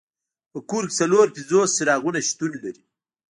په کور کې څلور پنځوس څراغونه شتون لري.